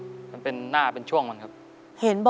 สวัสดีครับน้องเล่จากจังหวัดพิจิตรครับ